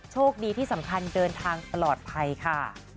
โชคดีที่สำคัญเดินทางปลอดภัยค่ะ